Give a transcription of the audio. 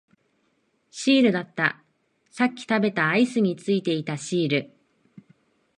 シールだった、さっき食べたアイスについていたシール